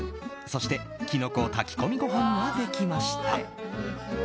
そして、キノコ炊き込みご飯ができました。